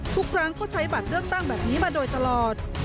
ทุกครั้งเขาใช้บัตรเลือกตั้งแบบนี้มาโดยตลอด